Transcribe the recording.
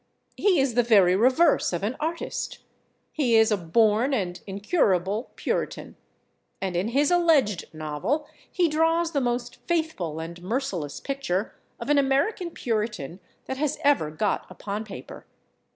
He is the very reverse of an artist; he is a born and incurable Puritan—and in his alleged novel he draws the most faithful and merciless picture of an American Puritan that has ever got upon paper.